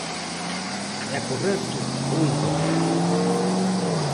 ¿É correcto ou incorrecto?